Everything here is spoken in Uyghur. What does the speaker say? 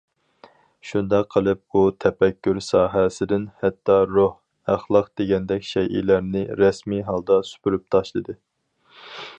شۇنداق قىلىپ ئۇ تەپەككۇر ساھەسىدىن ھەتتا روھ، ئەخلاق دېگەندەك شەيئىلەرنى رەسمىي ھالدا سۈپۈرۈپ تاشلىدى.